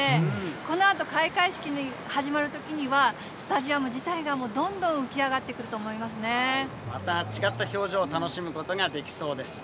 このあと開会式が始まるときには、スタジアム自体がもう、どんどんまた違った表情、楽しむことができそうです。